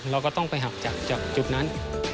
เราก็ต้องไปหักจากจุดนั้น